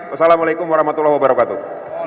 wassalamu'alaikum warahmatullahi wabarakatuh